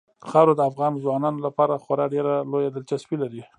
خاوره د افغان ځوانانو لپاره خورا ډېره لویه دلچسپي لري.